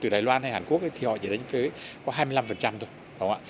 từ đài loan hay hàn quốc thì họ chỉ đánh thuế có hai mươi năm thôi ạ